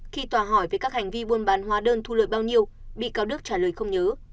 khi tòa hỏi về các hành vi buôn bán hóa đơn thu lợi bao nhiêu bị cáo đức trả lời không nhớ